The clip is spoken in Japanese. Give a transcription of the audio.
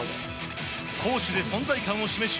攻守で存在感を示し